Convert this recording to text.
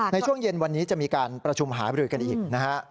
ในช่วงเย็นวันนี้จะมีการประชุมหาบริกันอีกนะฮะ